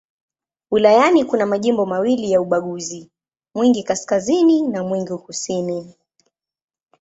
Wilayani kuna majimbo mawili ya uchaguzi: Mwingi Kaskazini na Mwingi Kusini.